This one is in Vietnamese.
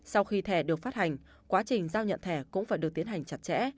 sau khi thẻ được phát hành quá trình giao nhận thẻ cũng phải được tiến hành chặt chẽ